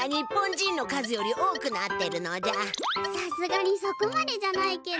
さすがにそこまでじゃないけど。